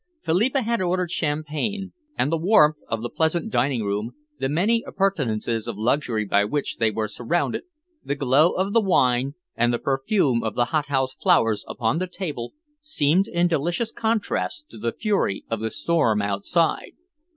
Philippa had ordered champagne, and the warmth of the pleasant dining room, the many appurtenances of luxury by which they were surrounded, the glow of the wine, and the perfume of the hothouse flowers upon the table, seemed in delicious contrast to the fury of the storm outside.